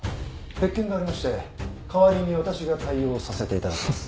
別件がありまして代わりに私が対応させていただきます。